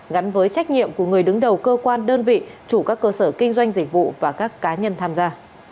gắn với trách nhiệm của người đứng đầu cơ quan đơn vị chủ các cơ sở kinh doanh dịch vụ và các cá nhân tham gia